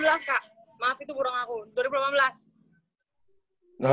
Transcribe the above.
maaf itu burung aku